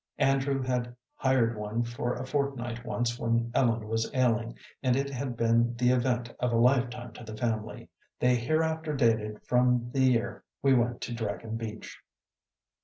Andrew had hired one for a fortnight once when Ellen was ailing, and it had been the event of a lifetime to the family. They hereafter dated from the year "we went to Dragon Beach."